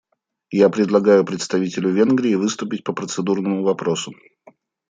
Я предлагаю представителю Венгрии выступить по процедурному вопросу.